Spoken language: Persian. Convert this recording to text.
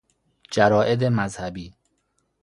جراید مذهبی